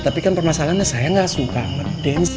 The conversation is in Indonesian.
tapi kan permasalahannya saya nggak suka berdance